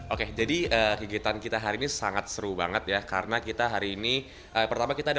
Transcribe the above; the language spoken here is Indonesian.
oke jadi kegiatan kita hari ini sangat seru banget ya karena kita hari ini pertama kita ada